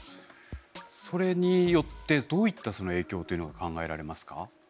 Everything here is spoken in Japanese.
それによってどういった影響というのが考えられますか？